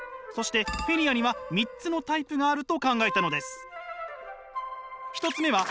そしてフィリアには三つのタイプがあると考えたのです。